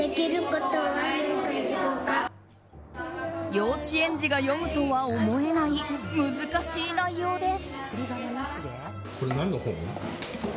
幼稚園児が読むとは思えない難しい内容です。